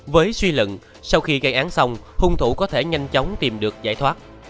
với suy lận sau khi gây án xong hung thủ có thể nhanh chóng tìm được giải thoát